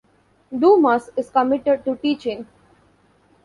Dumas is committed to teaching.